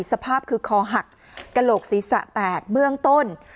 สภาพคือคอหักกระโหลกศีรษะแตกเบื้องต้น